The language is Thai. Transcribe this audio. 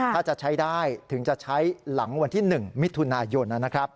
ถ้าจะใช้ได้ถึงจะใช้หลังวันที่๑มิถุนายน